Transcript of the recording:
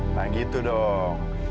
nah gitu dong